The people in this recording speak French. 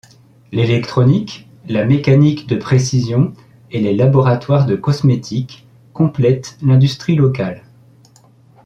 L’électronique, la mécanique de précision et les laboratoires de cosmétiques complètent l’industrie locale.